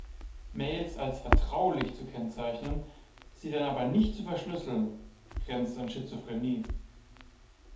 Mails als vertraulich zu kennzeichnen, sie dann aber nicht zu verschlüsseln, grenzt an Schizophrenie.